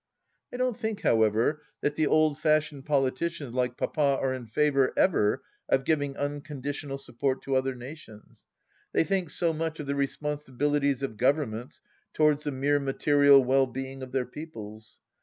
I don't think, however, that the old fashioned politicians like Papa are in favour, ever, of giving unconditional support to other nations. They think so much of the responsibilities of Governments towards the mere material well being of their peoples.